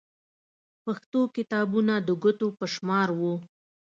پښتو کتابونه د ګوتو په شمار وو.